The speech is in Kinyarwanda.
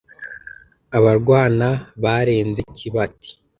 Abarwana barenze Kibati